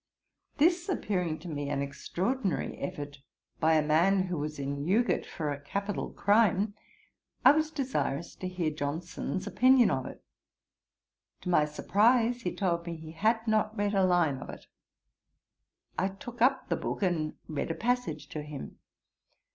This appearing to me an extraordinary effort by a man who was in Newgate for a capital crime, I was desirous to hear Johnson's opinion of it: to my surprize, he told me he had not read a line of it. I took up the book and read a passage to him.